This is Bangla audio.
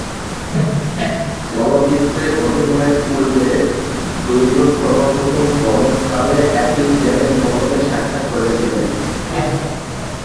চলচ্চিত্রে অভিনয়ের পূর্বে, দুইজন সর্বপ্রথম ভ্রমণকালে একটি ট্রেনের ভবনে সাক্ষাৎ করেছিলেন।